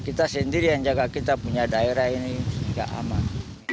kita sendiri yang jaga kita punya daerah ini nggak aman